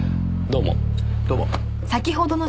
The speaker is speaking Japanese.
どうも。